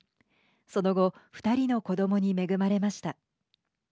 その後２人の子どもに恵まれました。